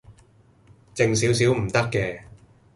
靜少少唔得嘅